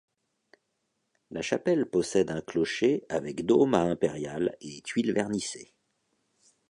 La chapelle possède un clocher avec dôme à impérial et tuiles vernissées.